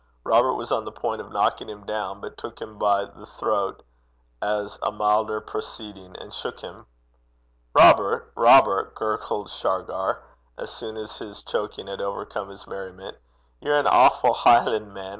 Robert was on the point of knocking him down, but took him by the throat as a milder proceeding, and shook him. 'Robert! Robert!' gurgled Shargar, as soon as his choking had overcome his merriment, 'ye're an awfu' Hielan'man.